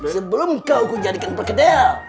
sebelum kau ku jadikan perkedel